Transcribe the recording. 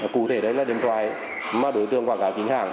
cụ thể đấy là điện thoại mà đối tượng quảng cáo chính hàng